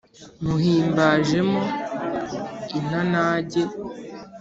nywuhimbajemo intanage